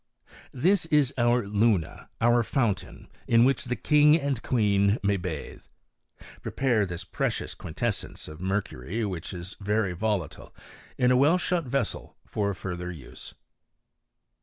This is our luna, our fountain, in which the king and queen may bathe. Preserve this precious quintessence of mercury, which is very volatile, in a well shut ves^ «el for further use.